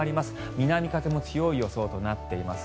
南風も強い予想となっています。